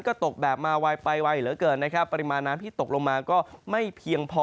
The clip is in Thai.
ก็ตกแบบมาไวไปไวเหลือเกินนะครับปริมาณน้ำที่ตกลงมาก็ไม่เพียงพอ